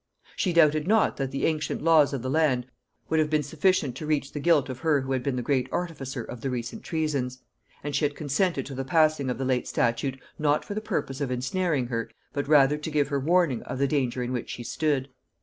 She doubted not that the ancient laws of the land would have been sufficient to reach the guilt of her who had been the great artificer of the recent treasons; and she had consented to the passing of the late statute, not for the purpose of ensnaring her, but rather to give her warning of the danger in which she stood.